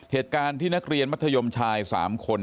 เหตุการณ์ที่นักเรียนมัธยมชาย๓คน